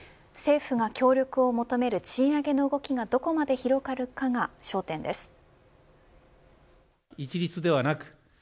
政府が協力を求める賃上げの動きがどこまで広がるかが焦点です。